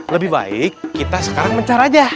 lebih baik kita sekarang mencari aja